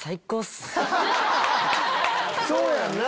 そうやんな！